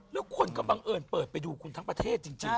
แล้วคนก็บังเอิญเปิดไปดูคุณทั้งประเทศจริง